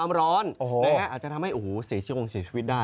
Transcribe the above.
อาจจะทำให้สีชืงทวงเสียชีวิตได้